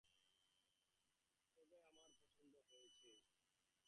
তবে আমার পছন্দ হয়েছে।